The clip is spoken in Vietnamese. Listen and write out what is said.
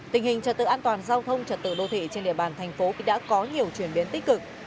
tình hình trật tự an toàn giao thông trật tự đô thị trên địa bàn thành phố đã có nhiều chuyển biến tích cực